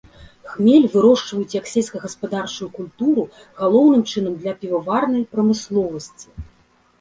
Хмель вырошчваюць як сельскагаспадарчую культуру, галоўным чынам для піваварнай прамысловасці.